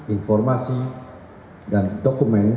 informasi dan dokumen